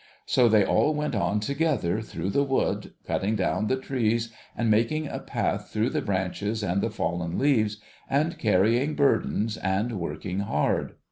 So, they all went on together through the wood, cutting down the trees, and making a path through the branches and the fallen leaves, and carrying burdens, and working hard.